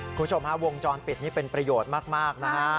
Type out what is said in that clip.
คุณผู้ชมฮะวงจรปิดนี่เป็นประโยชน์มากนะฮะ